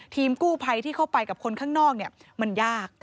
ทีมกู้ภัยที่เข้าไปกับคนข้างนอกมันยาก